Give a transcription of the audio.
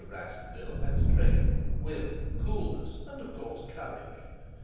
Rassendyll had strength, will, coolness, and, of course, courage.